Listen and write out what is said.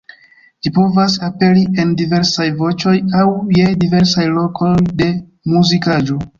Ĝi povas aperi en diversaj voĉoj aŭ je diversaj lokoj de muzikaĵo.